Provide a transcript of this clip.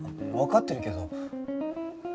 わかってるけど。